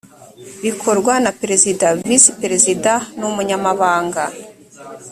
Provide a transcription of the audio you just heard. bikorwa na perezida visi perezida n’ umunyamabanga